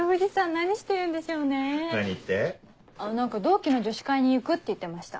何か同期の女子会に行くって言ってました。